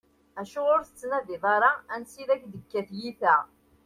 Acuɣeṛ ur tettnadiḍ ara ansa i ak-d-tekka tyita?